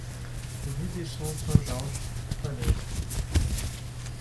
Rue des Champs Saint-Georges, Falaise